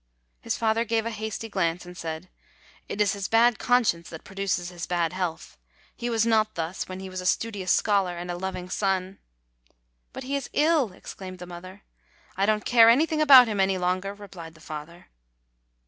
His father gave a hasty glance, and said ::< It is his bad conscience that produces his bad health. He was not thus when he was a studious scholar and a loving son.' "But he is ill!" exclaimed the mother. "I don't care anything about him any longer!" re plied the father.